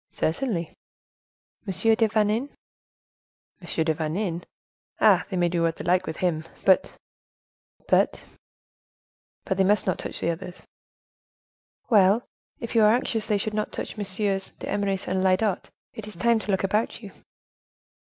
"Certainly." "M. de Vanin?" "M. de Vanin! ah! they may do what they like with him, but—" "But—" "But they must not touch the others!" "Well, if you are anxious they should not touch MM. d'Eymeris and Lyodot, it is time to look about you."